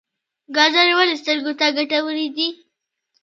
ګازرې ولې سترګو ته ګټورې دي؟